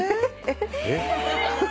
えっ？